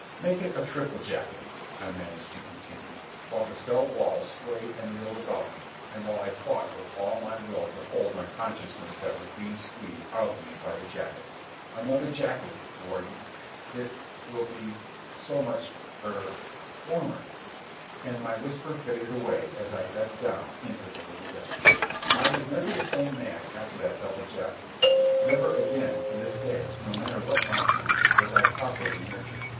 "Make it a triple jacketing," I managed to continue, while the cell walls swayed and reeled about me and while I fought with all my will to hold to my consciousness that was being squeezed out of me by the jackets. "Another jacket ... Warden ... It ... will ... be ... so ... much ... er ... warmer." And my whisper faded away as I ebbed down into the little death. I was never the same man after that double jacketing. Never again, to this day, no matter what my food, was I properly nurtured.